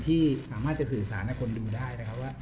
ที่สามารถจะสื่อสารให้คนดูได้